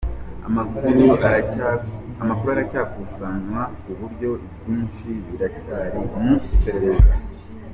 Amakuru aracyakusanywa ku buryo ibyinshi biracyari mu iperereza”.